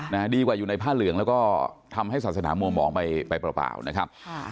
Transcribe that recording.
นะฮะดีกว่าอยู่ในผ้าเหลืองแล้วก็ทำให้ศาสนามัวมองไปไปเปล่าเปล่านะครับค่ะ